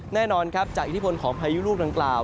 แน่นอนครับจากอิทธิพลของพายุลูกดังกล่าว